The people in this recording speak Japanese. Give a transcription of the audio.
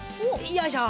よいしょ。